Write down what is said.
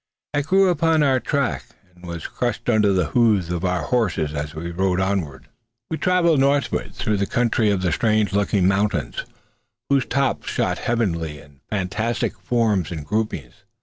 It grew upon our track, and was crushed under the hoofs of our horses as we rode onward. We travelled northward through a country of strange looking mountains, whose tops shot heavenward in fantastic forms and groupings.